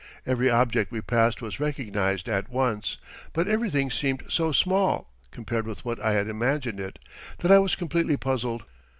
Every object we passed was recognized at once, but everything seemed so small, compared with what I had imagined it, that I was completely puzzled.